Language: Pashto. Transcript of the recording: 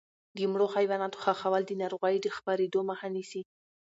د مړو حیواناتو ښخول د ناروغیو د خپرېدو مخه نیسي.